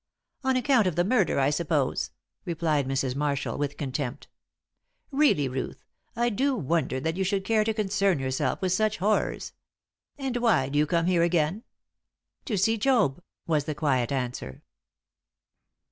"On account of the murder, I suppose?" replied Mrs. Marshall, with contempt. "Really, Ruth, I do wonder that you should care to concern yourself with such horrors! And why do you come here again?" "To see Job," was the quiet answer.